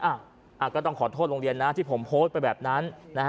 อ่ะก็ต้องขอโทษโรงเรียนนะที่ผมโพสต์ไปแบบนั้นนะฮะ